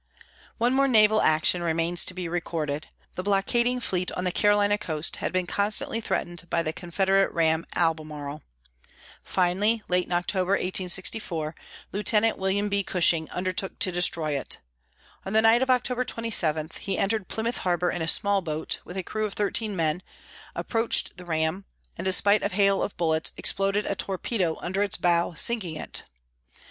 One more naval action remains to be recorded. The blockading fleet on the Carolina coast had been constantly threatened by the Confederate ram Albemarle. Finally, late in October, 1864, Lieutenant William B. Cushing undertook to destroy it. On the night of October 27, he entered Plymouth harbor in a small boat, with a crew of thirteen men, approached the ram, and despite a hail of bullets, exploded a torpedo under its bow, sinking it.